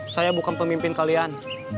saya bukan pemimpin kalian